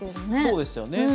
そうですよね。